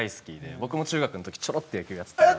僕も中学の時ちょろっと野球やってたりっていうのが。